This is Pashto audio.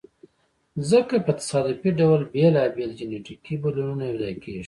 ځکه په تصادفي ډول بېلابېل جینټیکي بدلونونه یو ځای کیږي.